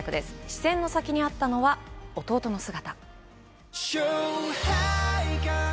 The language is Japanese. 視線の先にあったのは、弟の姿。